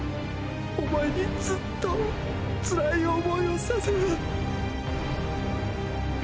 お前にずっとつらい思いをさせた。